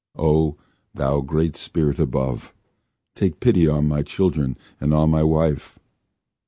O! thou Great Spirit above! Take pity on my children And on my wife!